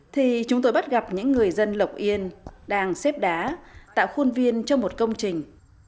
thì chúng tôi bắt gặp những người dân lộc yên đang xếp đá tạo khuôn viên cho một công trình